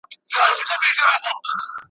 په همدې تنګو دروکي `